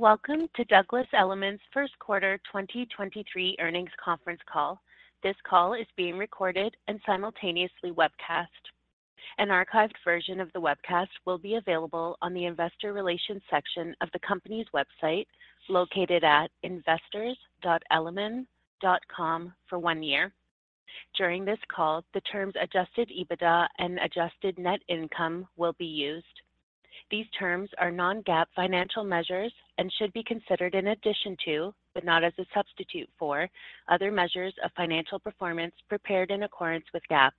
Welcome to Douglas Elliman's first quarter 2023 earnings conference call. This call is being recorded and simultaneously webcast. An archived version of the webcast will be available on the investor relations section of the company's website, located at investors.elliman.com for one year. During this call, the terms adjusted EBITDA and adjusted net income will be used. These terms are non-GAAP financial measures and should be considered in addition to, but not as a substitute for, other measures of financial performance prepared in accordance with GAAP.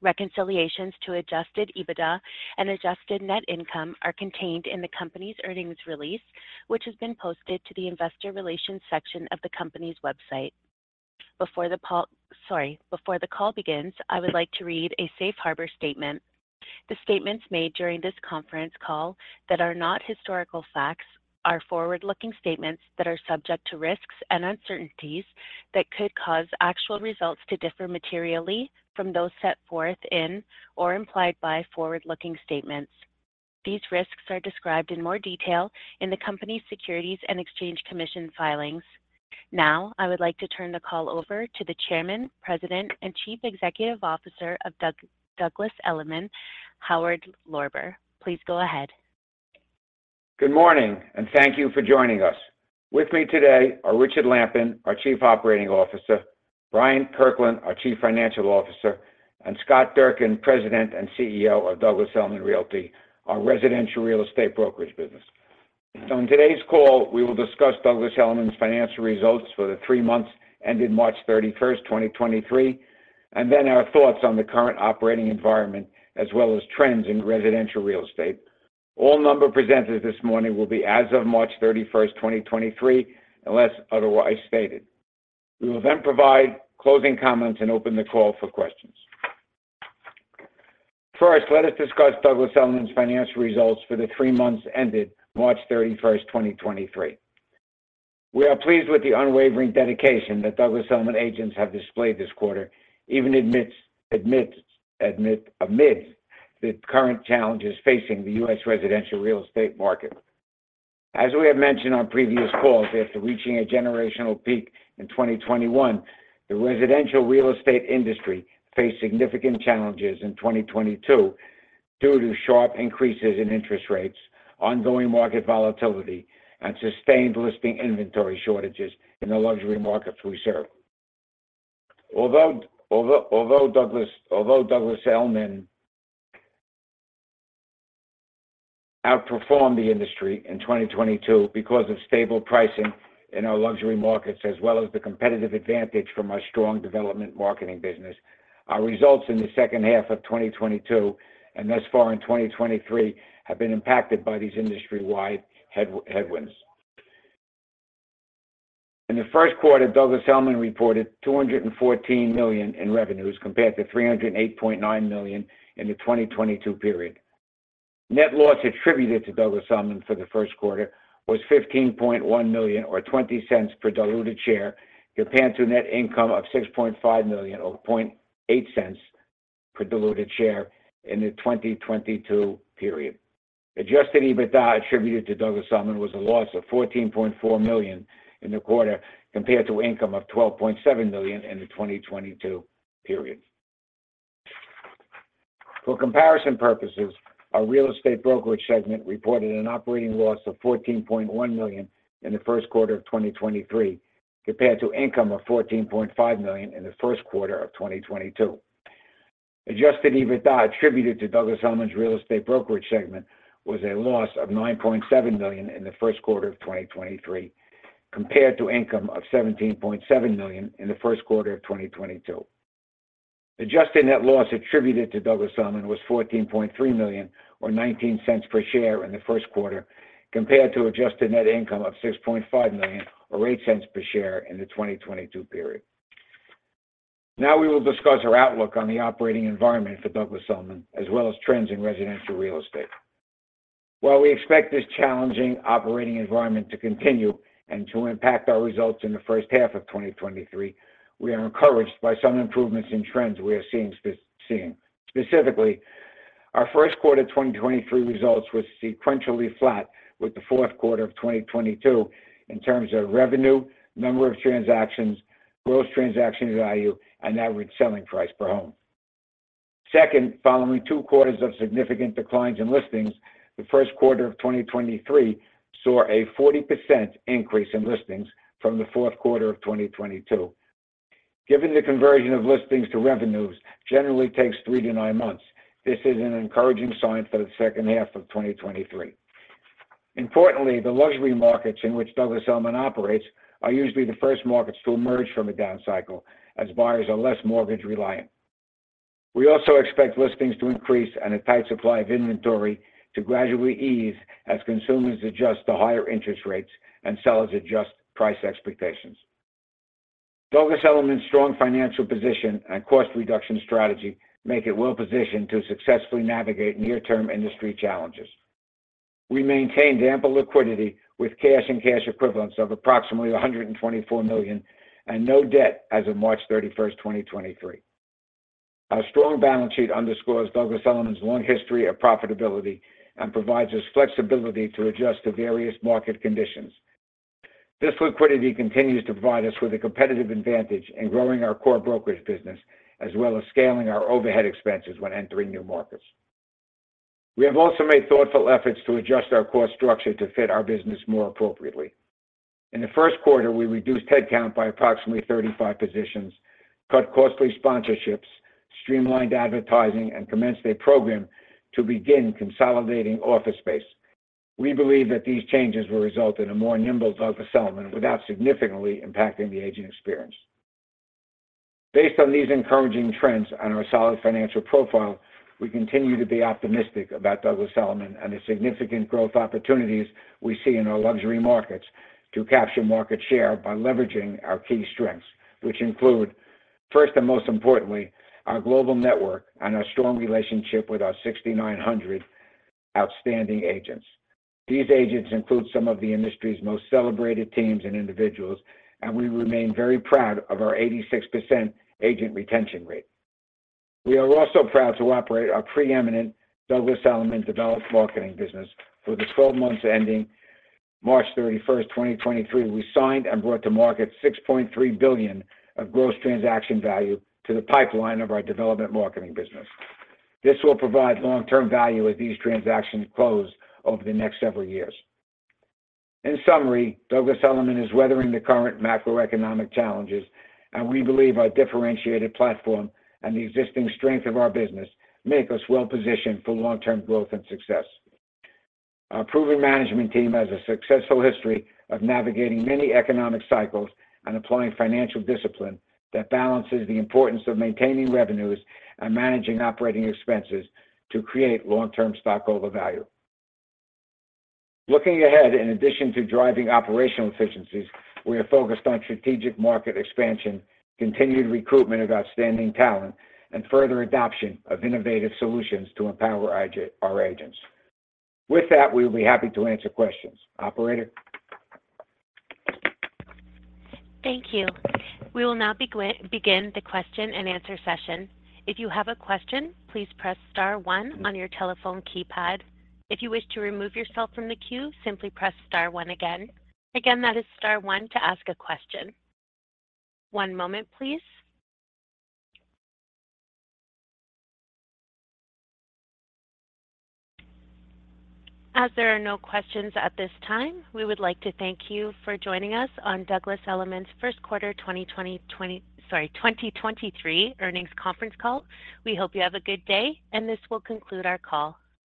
Reconciliations to adjusted EBITDA and adjusted net income are contained in the company's earnings release, which has been posted to the investor relations section of the company's website. Sorry. Before the call begins, I would like to read a safe harbor statement. The statements made during this conference call that are not historical facts are forward-looking statements that are subject to risks and uncertainties that could cause actual results to differ materially from those set forth in or implied by forward-looking statements. These risks are described in more detail in the company's Securities and Exchange Commission filings. Now, I would like to turn the call over to the Chairman, President, and Chief Executive Officer of Douglas Elliman, Howard Lorber. Please go ahead. Good morning, thank you for joining us. With me today are Richard Lampen, our Chief Operating Officer, Bryant Kirkland, our Chief Financial Officer, and Scott Durkin, President and CEO of Douglas Elliman Realty, our residential real estate brokerage business. In today's call, we will discuss Douglas Elliman's financial results for the three months ended March 31st, 2023, our thoughts on the current operating environment as well as trends in residential real estate. All number presented this morning will be as of March 31st, 2023, unless otherwise stated. We will provide closing comments and open the call for questions. First, let us discuss Douglas Elliman's financial results for the three months ended March 31st, 2023. We are pleased with the unwavering dedication that Douglas Elliman agents have displayed this quarter, even amid the current challenges facing the U.S. residential real estate market. As we have mentioned on previous calls, after reaching a generational peak in 2021, the residential real estate industry faced significant challenges in 2022 due to sharp increases in interest rates, ongoing market volatility, and sustained listing inventory shortages in the luxury markets we serve. Although Douglas Elliman outperformed the industry in 2022 because of stable pricing in our luxury markets, as well as the competitive advantage from our strong Development Marketing business, our results in the second half of 2022 and thus far in 2023 have been impacted by these industry-wide headwinds. In the first quarter, Douglas Elliman reported $214 million in revenues compared to $308.9 million in the 2022 period. Net loss attributed to Douglas Elliman for the first quarter was $15.1 million or $0.20 per diluted share, compared to net income of $6.5 million or $0.08 per diluted share in the 2022 period. Adjusted EBITDA attributed to Douglas Elliman was a loss of $14.4 million in the quarter, compared to income of $12.7 million in the 2022 period. For comparison purposes, our real estate brokerage segment reported an operating loss of $14.1 million in the first quarter of 2023, compared to income of $14.5 million in the first quarter of 2022. Adjusted EBITDA attributed to Douglas Elliman's real estate brokerage segment was a loss of $9.7 million in the first quarter of 2023, compared to income of $17.7 million in the first quarter of 2022. Adjusted net loss attributed to Douglas Elliman was $14.3 million or $0.19 per share in the first quarter, compared to adjusted net income of $6.5 million or $0.08 per share in the 2022 period. Now we will discuss our outlook on the operating environment for Douglas Elliman, as well as trends in residential real estate. While we expect this challenging operating environment to continue and to impact our results in the first half of 2023, we are encouraged by some improvements in trends we are seeing. Specifically, our first quarter 2023 results were sequentially flat with the fourth quarter of 2022 in terms of revenue, number of transactions, gross transaction value, and average selling price per home. Second, following two quarters of significant declines in listings, the first quarter of 2023 saw a 40% increase in listings from the fourth quarter of 2022. Given the conversion of listings to revenues generally takes three to nine months, this is an encouraging sign for the second half of 2023. Importantly, the luxury markets in which Douglas Elliman operates are usually the first markets to emerge from a down cycle as buyers are less mortgage reliant. We also expect listings to increase and a tight supply of inventory to gradually ease as consumers adjust to higher interest rates and sellers adjust price expectations. Douglas Elliman's strong financial position and cost reduction strategy make it well positioned to successfully navigate near-term industry challenges. We maintained ample liquidity with cash and cash equivalents of approximately $124 million and no debt as of March 31st, 2023. Our strong balance sheet underscores Douglas Elliman's long history of profitability and provides us flexibility to adjust to various market conditions. This liquidity continues to provide us with a competitive advantage in growing our core brokerage business, as well as scaling our overhead expenses when entering new markets. We have also made thoughtful efforts to adjust our cost structure to fit our business more appropriately. In the first quarter, we reduced headcount by approximately 35 positions, cut costly sponsorships, streamlined advertising, and commenced a program to begin consolidating office space. We believe that these changes will result in a more nimble Douglas Elliman without significantly impacting the agent experience. Based on these encouraging trends and our solid financial profile, we continue to be optimistic about Douglas Elliman and the significant growth opportunities we see in our luxury markets to capture market share by leveraging our key strengths, which include, first and most importantly, our global network and our strong relationship with our 6,900 outstanding agents. We remain very proud of our 86% agent retention rate. We are also proud to operate our preeminent Douglas Elliman Development Marketing business. For the 12 months ending March 31st, 2023, we signed and brought to market $6.3 billion of gross transaction value to the pipeline of our Development Marketing business. This will provide long-term value as these transactions close over the next several years. In summary, Douglas Elliman is weathering the current macroeconomic challenges, and we believe our differentiated platform and the existing strength of our business make us well positioned for long-term growth and success. Our proven management team has a successful history of navigating many economic cycles and applying financial discipline that balances the importance of maintaining revenues and managing operating expenses to create long-term stockholder value. Looking ahead, in addition to driving operational efficiencies, we are focused on strategic market expansion, continued recruitment of outstanding talent, and further adoption of innovative solutions to empower our agents. With that, we will be happy to answer questions. Operator? Thank you. We will now begin the question and answer session. If you have a question, please press star one on your telephone keypad. If you wish to remove yourself from the queue, simply press star one again. Again, that is star one to ask a question. One moment, please. As there are no questions at this time, we would like to thank you for joining us on Douglas Elliman's first quarter 2023 earnings conference call. We hope you have a good day. This will conclude our call.